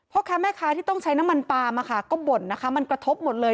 พ่อค้าแม่ค้าที่ต้องใช้น้ำมันปลามก็บ่นนะคะมันกระทบหมดเลย